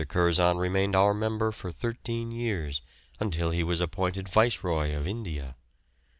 Curzon remained our member for thirteen years, until he was appointed Viceroy of India.